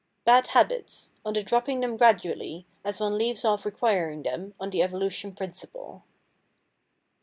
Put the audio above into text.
Bad Habits: on the dropping them gradually, as one leaves off requiring them, on the evolution principle.